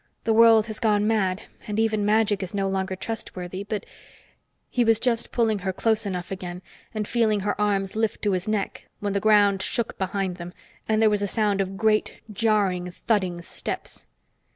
The world has gone mad, and even magic is no longer trustworthy. But " He was just pulling her close enough again and feeling her arms lift to his neck when the ground shook behind them and there was a sound of great, jarring, thudding steps.